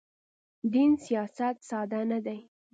دین سیاست ساده نه دی.